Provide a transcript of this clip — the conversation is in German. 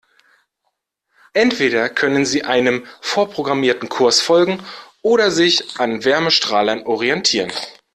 Entweder können sie einem vorprogrammierten Kurs folgen oder sich an Wärmestrahlern orientieren.